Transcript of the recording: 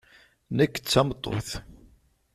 Nekk d tameṭṭut.